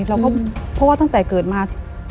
เราก็เพราะว่าตั้งแต่เกิดมา